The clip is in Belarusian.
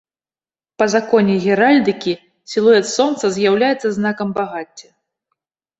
Па законе геральдыкі, сілуэт сонца з'яўляецца знакам багацця.